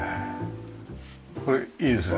これいいですね。